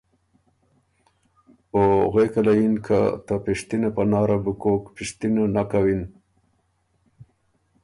او غوېکه له یِن ”که ته پِشتِنه پناره بو کوک پِشتِنه نک کَوِن،